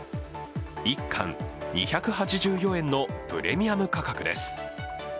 １缶２８４円のプレミアム価格です。